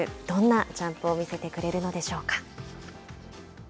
どんなジャンプを見せてくれるのでしょうか。